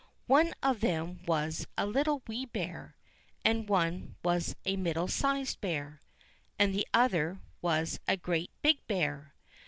One of them was a Little Wee Bear, and one was a Middle sized Bear, and the other was a Great Big Bear.